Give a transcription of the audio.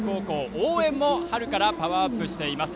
応援も春からパワーアップしています。